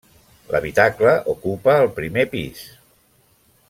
L'habitacle ocupa el primer pis.